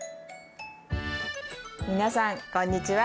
皆さんこんにちは。